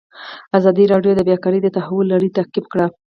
ازادي راډیو د بیکاري د تحول لړۍ تعقیب کړې.